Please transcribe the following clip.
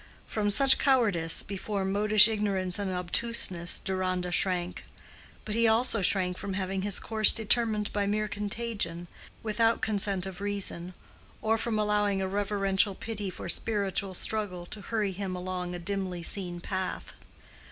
From such cowardice before modish ignorance and obtuseness, Deronda shrank. But he also shrank from having his course determined by mere contagion, without consent of reason; or from allowing a reverential pity for spiritual struggle to hurry him along a dimly seen path.